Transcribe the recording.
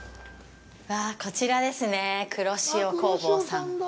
うわぁ、こちらですね、黒潮工房さん。